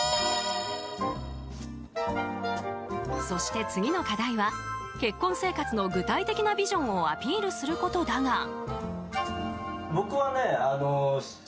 そして次の課題は結婚生活の具体的なビジョンをアピールすることだが。